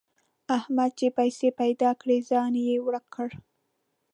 احمد چې پیسې پيدا کړې؛ ځان يې ورک کړ.